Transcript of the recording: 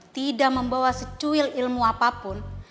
tidak membawa secuil ilmu apapun